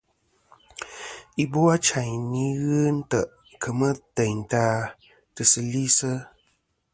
Ibochayn i ghɨ ntè' kemɨ teyn ta tɨsilisɨ.